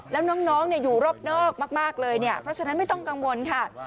แล้วน้องอยู่รอบนอกมากเลยเนี่ยเพราะฉะนั้นไม่ต้องกังวลค่ะ